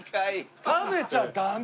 食べちゃダメ。